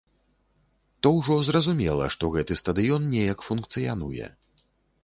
То ўжо зразумела, што гэты стадыён неяк функцыянуе.